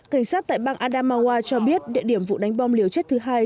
cảnh sát tại bang adhamawa cho biết địa điểm vụ đánh bom liều chết thứ hai